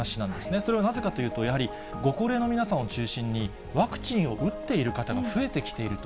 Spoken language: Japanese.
それはなぜかというと、やはり、ご高齢の皆さんを中心に、ワクチンを打っている方が増えてきていると。